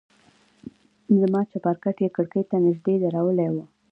زما چپرکټ يې کړکۍ ته نژدې درولى و.